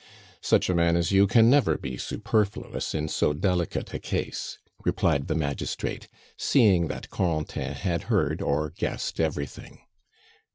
"Such a man as you can never be superfluous in so delicate a case," replied the magistrate, seeing that Corentin had heard or guessed everything.